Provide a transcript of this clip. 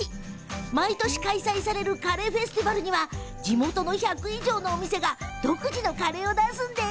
毎年開催されるカレーフェスティバルには地元の１００以上の店が独自のカレーを出すんです。